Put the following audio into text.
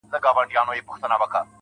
د سترګو کي ستا د مخ سُرخي ده.